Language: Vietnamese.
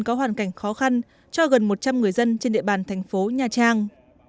có hoàn cảnh khó khăn cho gần một trăm linh người dân trên địa bàn thành phố nha trang